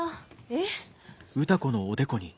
えっ？